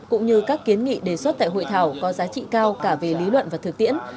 cũng như các kiến nghị đề xuất tại hội thảo có giá trị cao cả về lý luận và thực tiễn